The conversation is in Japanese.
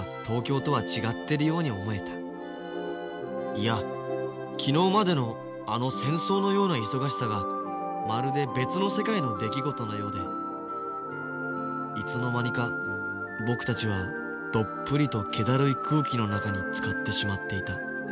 いや昨日までのあの戦争のような忙しさがまるで別の世界の出来事のようでいつの間にか僕たちはどっぷりとけだるい空気の中につかってしまっていた。